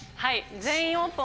「全員オープン」